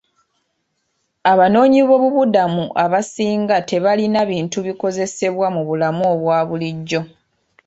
Abanoonyiboobubudamu abasinga tebalina bintu bikozesebwa mu bulamu obwa bulijjo.